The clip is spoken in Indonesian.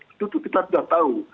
itu kita sudah tahu